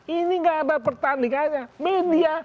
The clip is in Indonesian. ini gak ada pertandingannya media